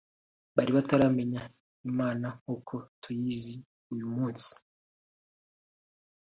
bari bataramenya Imana nk’uko tuyizi uyu munsi